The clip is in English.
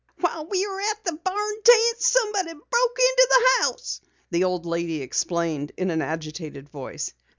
"While we were at the barn dance someone broke into the house," the old lady explained in an agitated voice.